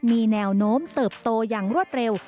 มีแนวโน้มเติบโตอย่างรวดเร็ว